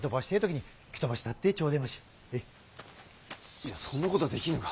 いやそんなことはできぬが。